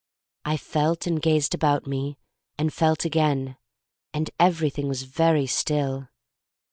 I felt, and gazed about me, and felt again. And everything was very still.